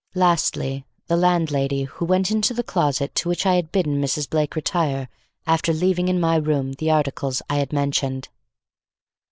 Lastly, the landlady who went into the closet to which I had bidden Mrs. Blake retire after leaving in my room the articles I had mentioned.